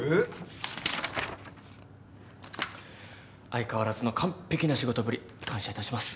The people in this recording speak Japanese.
相変わらずの完璧な仕事ぶり感謝いたします。